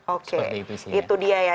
oke itu dia ya